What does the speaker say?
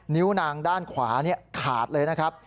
นิ้วนางด้านขวาขาดเลยนะครับ